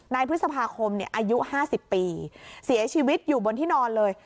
พฤษภาคมอายุ๕๐ปีเสียชีวิตอยู่บนที่นอนเลย